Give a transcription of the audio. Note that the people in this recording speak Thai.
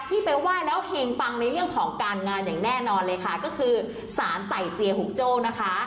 ไปไหว้แล้วเฮงปังในเรื่องของการงานอย่างแน่นอนเลยค่ะก็คือสารไต่เซียหุงโจ้นะคะ